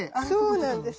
そうなんです。